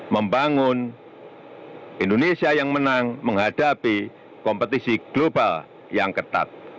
membangun indonesia yang menang menghadapi kompetisi global yang ketat